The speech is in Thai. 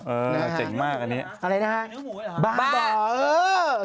เออเจ๋งมากอันนี้อะไรนะครับบ้าเออ